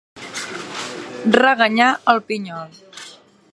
Reganyar el pinyol.